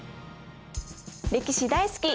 歴史大好き！